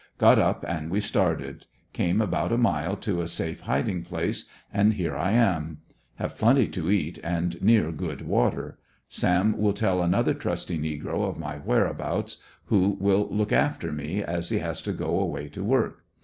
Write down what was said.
Got up, and •we started. Came about a mile to a safe hiding place, and here I am. Have plenty to eat and near good water. Sam will tell another trusty negro of my whereabouts, who will look after me, as he has to go away to work.